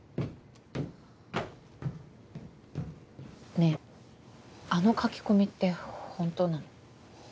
ねえあの書き込みって本当なの？